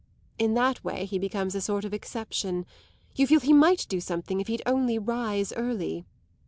In that way he becomes a sort of exception; you feel he might do something if he'd only rise early.